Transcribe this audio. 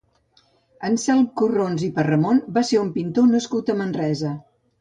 Anselm Corrons i Perramon va ser un pintor nascut a Manresa.